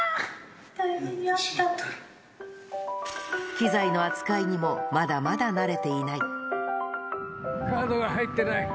機材の扱いにもまだまだ慣れカードが入ってない。